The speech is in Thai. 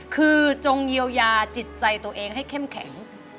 คือจงเยียวยาจิตใจตัวเองให้เข้มแข็ง